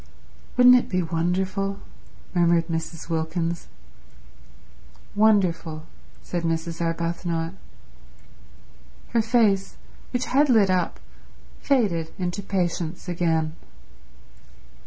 "Wouldn't it be wonderful?" murmured Mrs. Wilkins. "Wonderful," said Mrs. Arbuthnot. Her face, which had lit up, faded into patience again.